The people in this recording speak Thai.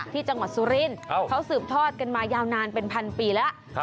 ที่จังหวัดสุรินทร์เขาสืบทอดกันมายาวนานเป็นพันปีแล้ว